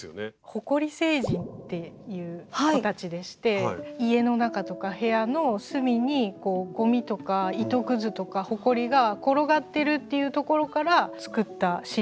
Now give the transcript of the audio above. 「埃星人」っていう子たちでして家の中とか部屋の隅にゴミとか糸くずとかほこりが転がってるっていうところから作ったシリーズです。